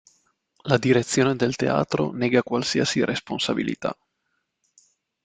La direzione del teatro nega qualsiasi responsabilità.